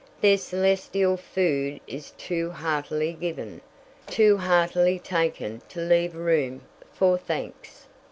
Their celestial food is too heartily given, too heartily taken to leave room for thanks.